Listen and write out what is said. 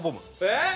えっ！